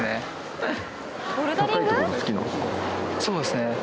そうですね。